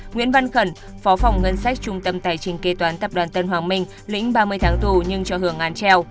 nguyễn văn khẩn phó phòng ngân sách trung tâm tài chính kế toán tập đoàn tân hoàng minh lĩnh ba mươi tháng tù nhưng cho hưởng án treo